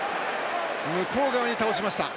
向こう側に倒しました。